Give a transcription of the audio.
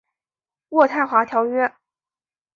渥太华条约。